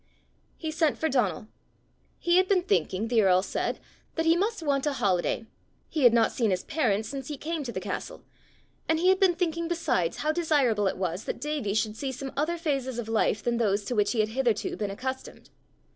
He sent for Donal. He had been thinking, the earl said, that he must want a holiday: he had not seen his parents since he came to the castle! and he had been thinking besides, how desirable it was that Davie should see some other phases of life than those to which he had hitherto been accustomed.